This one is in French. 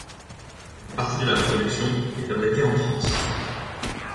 Une partie de la production est fabriquée en France.